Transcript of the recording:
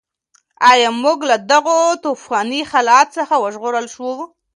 ایا موږ له دغه توپاني حالت څخه وژغورل شوو؟